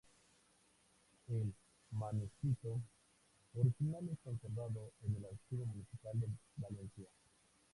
El manuscrito original es conservado en el Archivo Municipal de Valencia.